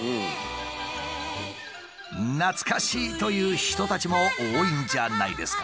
懐かしい！という人たちも多いんじゃないですか？